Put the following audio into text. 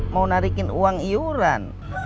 mau narikin uang iuran